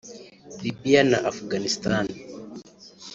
Libye na Afghanistan